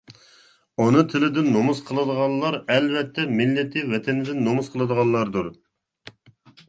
ئانا تىلىدىن نومۇس قىلىدىغانلار ئەلۋەتتە مىللىتى، ۋەتىنىدىن نومۇس قىلىدىغانلاردۇر.